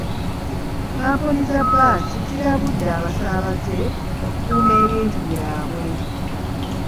Kampuni za bbaasi zirabuladde abasaabaze okukuuma ebintu byabwe.